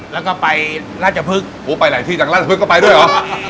แล้วก็ไปราชภึกโหไปหลายที่จังราชภึกก็ไปด้วยเหรอ